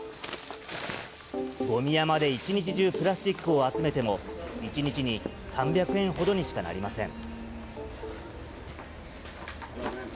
ごみ山で一日中プラスチックを集めても、１日に３００円ほどにしかなりません。